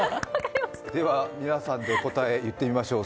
では皆さんで答え言ってみましょう。